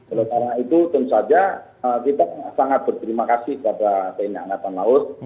oleh karena itu tentu saja kita sangat berterima kasih kepada tni angkatan laut